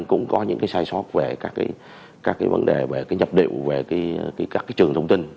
cũng có những sai sót về các vấn đề nhập liệu về các trường thông tin